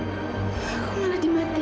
huh maaf aku malah dimati